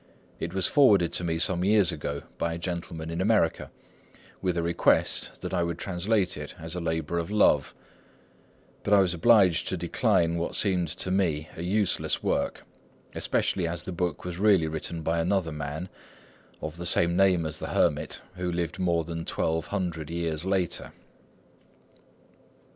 It was forwarded to me some years ago by a gentleman in America, with a request that I would translate it as a labour of love; but I was obliged to decline what seemed to me a useless task, especially as the book was really written by another man, of the same name as the hermit, who lived more than twelve hundred years later.